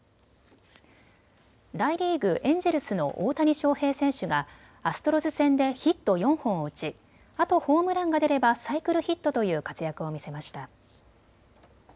大リーグ、エンジェルスの大谷翔平選手がアストロズ戦でヒット４本を打ち、あとホームランが出ればサイクルヒットという活躍を見せました。